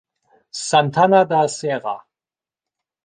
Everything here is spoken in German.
Santana da Serra